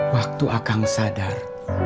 waktu akang sadar